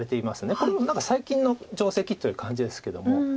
これも何か最近の定石という感じですけども。